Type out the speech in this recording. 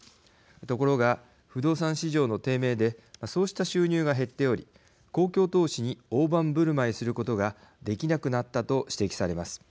ところが、不動産市場の低迷でそうした収入が減っており公共投資に大盤ぶるまいすることができなくなったと指摘されます。